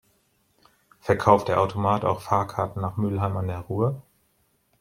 Verkauft der Automat auch Fahrkarten nach Mülheim an der Ruhr?